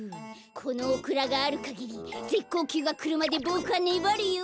このオクラがあるかぎりぜっこうきゅうがくるまでボクはねばるよ！